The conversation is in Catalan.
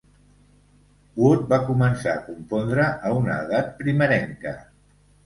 Wood va començar a compondre a una edat primerenca.